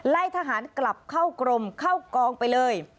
ทหารกลับเข้ากรมเข้ากองไปเลย